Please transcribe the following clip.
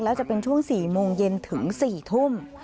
แล้วจะเป็นช่วง๔โมงเย็นถึง๔ทุ่ม